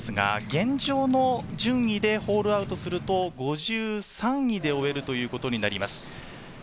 現状の順位でホールアウトすると５３位で終えることになります。